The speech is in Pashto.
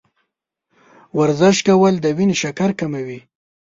ورزش کول د وینې شکر کموي.